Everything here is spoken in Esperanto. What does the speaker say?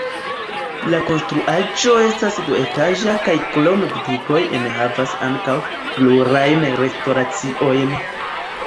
La konstruaĵo estas duetaĝa kaj krom butikoj enhavas ankaŭ plurajn restoraciojn.